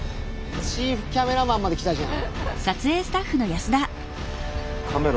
チーフキャメラマンまで来たじゃん。